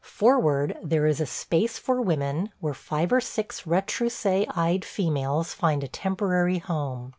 Forward there is a space for women, where five or six retroussé eyed females find a temporary home.